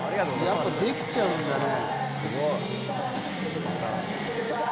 やっぱできちゃうんだね。